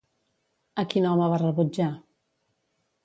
A quin home va rebutjar?